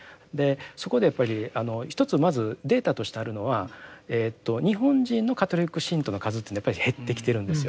そこでやっぱりあの一つまずデータとしてあるのは日本人のカトリック信徒の数というのはやっぱり減ってきているんですよ。